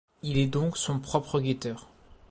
Il est donc son propre guetteur.